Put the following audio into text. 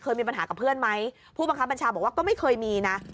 มีปัญหากับเพื่อนไหมผู้บังคับบัญชาบอกว่าก็ไม่เคยมีนะ